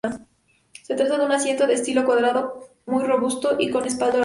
Se trata de un asiento de estilo cuadrado muy robusto y con respaldo alto.